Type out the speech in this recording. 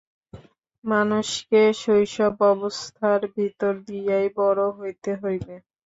মানুষকে শৈশব অবস্থার ভিতর দিয়াই বড় হইতে হইবে।